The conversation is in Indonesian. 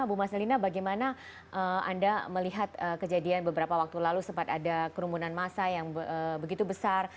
ibu mas elina bagaimana anda melihat kejadian beberapa waktu lalu sempat ada kerumunan massa yang begitu besar